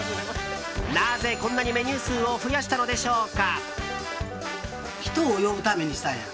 なぜ、こんなにメニュー数を増やしたのでしょうか。